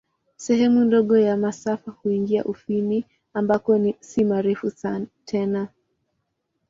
Sehemu ndogo ya masafa huingia Ufini, ambako si marefu tena.